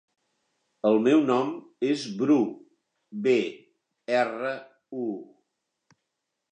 El meu nom és Bru: be, erra, u.